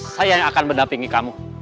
saya yang akan mendapingi kamu